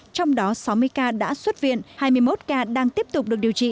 trong đó sáu mươi ca đã xuất viện hai mươi một ca đang tiếp tục được điều trị